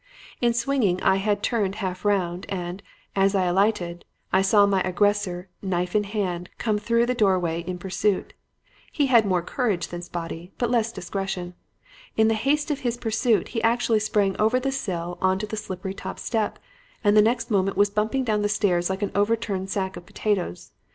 "In swinging I had turned half round, and, as I alighted, I saw my aggressor, knife in hand, come through the doorway in pursuit. He had more courage than Spotty but less discretion. In the haste of his pursuit, he actually sprang over the sill on to the slippery top step, and the next moment was bumping down the stairs like an overturned sack of potatoes.